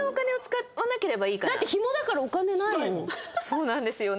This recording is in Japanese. そうなんですよね。